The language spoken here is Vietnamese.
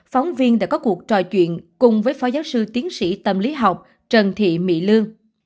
phóng viên đã có cuộc trò chuyện cùng với phó giáo sư tiến sĩ tâm lý học trần thị mỹ lương